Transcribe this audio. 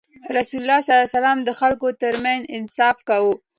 رسول الله ﷺ د خلکو ترمنځ انصاف کاوه.